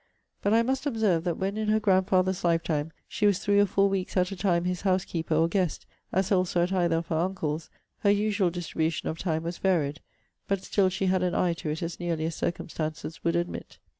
But I must observe, that when in her grandfather's lifetime she was three or four weeks at a time his housekeeper or guest, as also at either of her uncles, her usual distribution of time was varied; but still she had an eye to it as nearly as circumstances would admit.